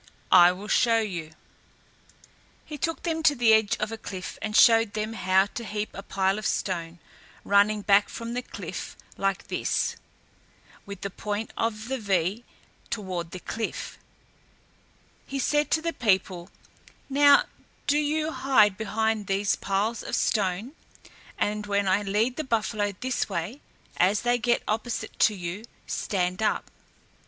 "I will show you," he said. He took them to the edge of a cliff and showed them how to heap up piles of stone, running back from the cliff like this [Illustration: two lines of diverging dots in a narrow < shape], with the point of the V toward the cliff. He said to the people, "Now, do you hide behind these piles of stones, and when I lead the buffalo this way, as they get opposite to you, stand up."